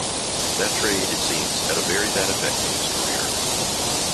That trade, it seems, had a very bad effect on his career.